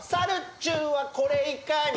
ちゅんはこれいかに？